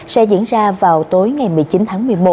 sẽ diễn ra vào tối ngày một mươi chín tháng một mươi một